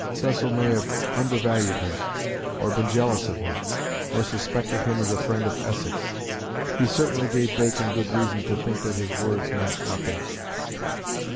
Cecil may have undervalued him, or have been jealous of him, or suspected him as a friend of Essex; he certainly gave Bacon good reason to think that his words meant nothing.